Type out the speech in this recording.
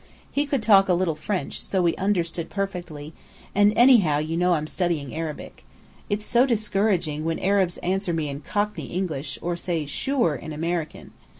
He could talk a little French, so we understood perfectly and, anyhow, you know I'm studying Arabic. It's so discouraging when Arabs answer me in Cockney English, or say "Sure" in American!